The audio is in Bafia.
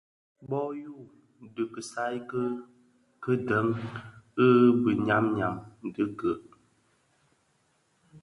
Bô yu dhi kisai ki dèn i biňyam ňyam dhi gëëk.